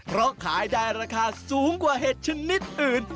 เพราะขายได้ราคาสูงกว่าเห็ดชนิดอื่น